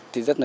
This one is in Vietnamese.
thì rất là